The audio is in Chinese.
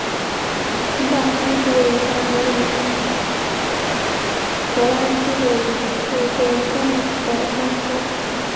城堡山是位于奥地利格拉兹的一处被森林覆盖的山丘。